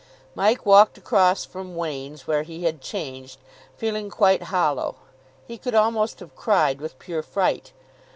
Mike walked across from Wain's, where he had changed, feeling quite hollow. He could almost have cried with pure fright.